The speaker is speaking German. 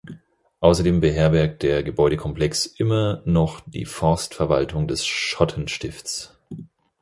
Außerdem beherbergt der Gebäudekomplex immer noch die Forstverwaltung des Schottenstifts.